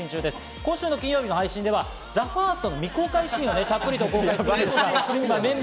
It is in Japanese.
今週金曜日の配信ではＴＨＥＦＩＲＳＴの未公開シーンをたっぷりと公開します。